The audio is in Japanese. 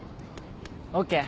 ＯＫ